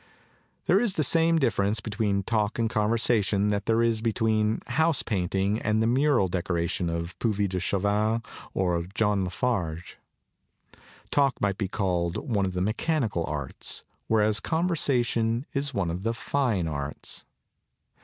There is the same difference between talk and conversation that there is between house painting and the mural decoration of Puvis de Chavannes or of John La Farge. Talk might be called one of the mechanical arts, whereas conversation is one of the fine arts.